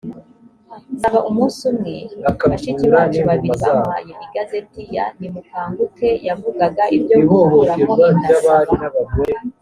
saba umunsi umwe bashiki bacu babiri bamuhaye igazeti ya nimukanguke yavugaga ibyo gukuramo inda saba